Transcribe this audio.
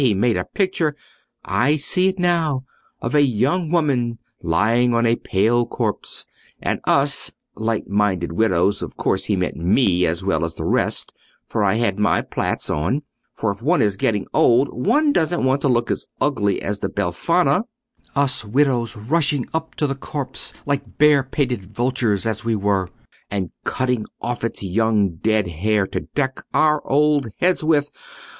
he made a picture—I see it now—of a young woman lying a pale corpse, and us light minded widows—of course he meant me as well as the rest, for I had my plaits on, for if one is getting old, one doesn't want to look as ugly as the Befana,—us widows rushing up to the corpse, like bare pated vultures as we were, and cutting off its young dead hair to deck our old heads with.